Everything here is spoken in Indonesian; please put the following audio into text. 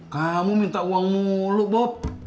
kamu minta uang mulu bop